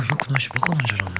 バカなんじゃないの。は？